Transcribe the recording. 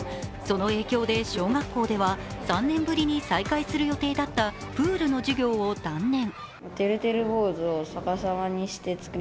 油木ダムの貯水率は１９．８％、その影響で小学校では３年ぶりに再開する予定だったプールの授業を断念。